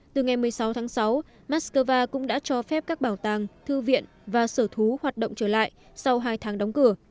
từ ngày một mươi sáu tháng sáu moscow cũng đã cho phép các bảo tàng thư viện và sở thú hoạt động trở lại sau hai tháng đóng cửa